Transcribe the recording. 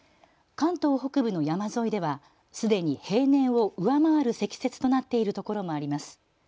関東北部の山沿いではすでに平年を上回る積雪となっている所もあります。